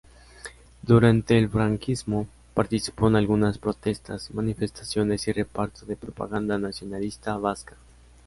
Durante el Franquismo participó en algunas protestas, manifestaciones y reparto de propaganda nacionalista vasca.